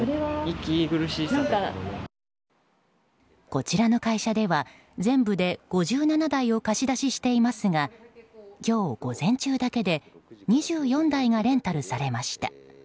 こちらの会社では全部で５７台を貸し出ししていますが今日午前中だけで２４台がレンタルされました。